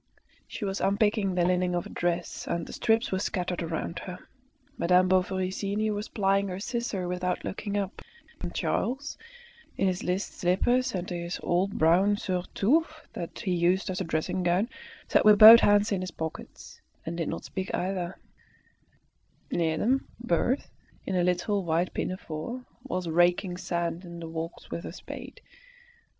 She was unpicking the lining of a dress, and the strips were scattered around her. Madame Bovary senior was plying her scissor without looking up, and Charles, in his list slippers and his old brown surtout that he used as a dressing gown, sat with both hands in his pockets, and did not speak either; near them Berthe, in a little white pinafore, was raking sand in the walks with her spade.